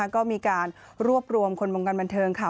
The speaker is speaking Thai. ก็มีการรวบรวมคนวงการบันเทิงค่ะ